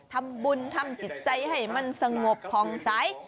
ทำบุญทำจิตใจให้มันสงบพองใส